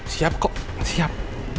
siap kok siap